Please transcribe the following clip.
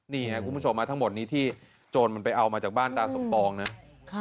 นี่ครับคุณผู้ชมทั้งหมดนี้ที่โจรมันไปเอามาจากบ้านตาสมปองนะ